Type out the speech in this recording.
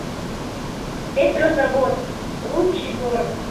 Петрозаводск — лучший город